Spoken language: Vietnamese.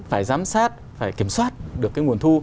phải giám sát phải kiểm soát được cái nguồn thu